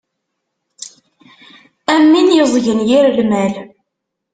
Am win yeẓgen yir lmal.